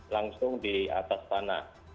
langsung di atas tanah